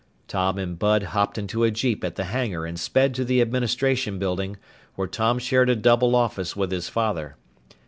Tom and Bud hopped into a jeep at the hangar and sped to the Administration Building, where Tom shared a double office with his father.